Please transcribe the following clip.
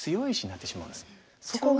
そこが。